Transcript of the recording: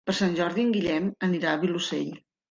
Per Sant Jordi en Guillem anirà al Vilosell.